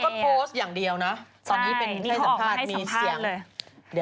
เดิมเขาก็โพสต์อย่างเดียวนะ